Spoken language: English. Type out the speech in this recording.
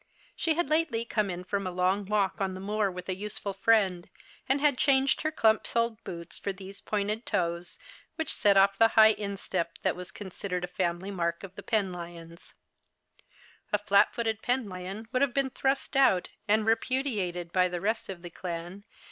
She had lately come in from a long walk on tlie moor with the useful friend, and had changed her clump soled boots for these pointed toes, which set off the high instep that was considered a family mark of the Penlyons, A flat footed Penlyon would have been thrust out and repudiated by the rest of the clan, 22 The Cheistmas Hirelings.